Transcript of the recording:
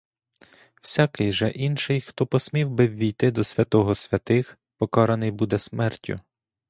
Всякий же інший, хто посмів би ввійти до святого святих, — покараний буде смертю.